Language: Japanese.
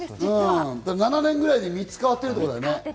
７年ぐらいで３つ変わってるんだね。